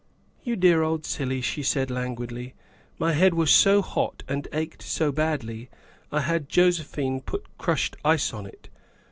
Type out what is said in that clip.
" You dear old silly," she said languidly, " my head was so hot and ached so badly I had Josephine put crushed ice on it.